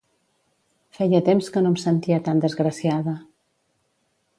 Feia temps que no em sentia tan desgraciada.